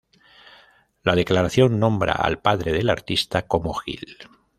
La declaración nombra al padre del artista como 'Gil'.